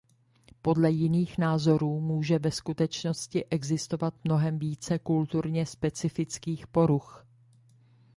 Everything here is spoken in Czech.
Podle jiných názorů může ve skutečnosti existovat mnohem více kulturně specifických poruch.